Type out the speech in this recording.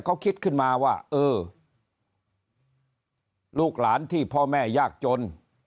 เขาคิดขึ้นมาว่าเออลูกหลานที่พ่อแม่ยากจน